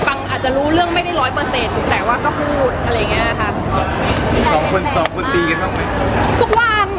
ปั๊งอาจจะรู้เรื่องไม่ได้ร้อยเปอร์เซ็นแต่ว่าก็พูดอะไรงี้อะคะ